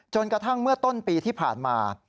กระทั่งเมื่อต้นปีที่ผ่านมา